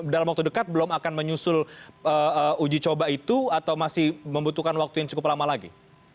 dalam waktu dekat belum akan menyusul uji coba itu atau masih membutuhkan waktu yang cukup lama lagi